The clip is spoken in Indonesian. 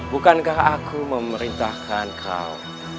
bukankah aku memerintahkan kau